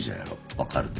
分かるで。